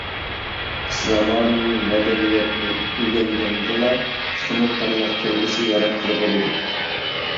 زامانىۋى مەدەنىيەتنى ئۆگەنگەندىلا، تېخىمۇ پارلاق كەلگۈسى ياراتقىلى بولىدۇ.